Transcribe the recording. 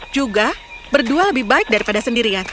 juga berdua lebih baik daripada sendirian